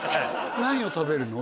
何を食べるの？